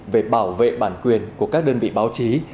về bảo vệ bản quyền của các đơn vị báo chí